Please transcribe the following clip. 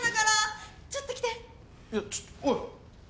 いやちょっとおい。